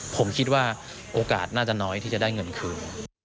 ผมคิดว่าโอกาสน่าจะน้อยที่จะได้เงินคืน